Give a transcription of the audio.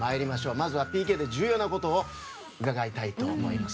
まずはＰＫで重要なことを伺いたいと思います。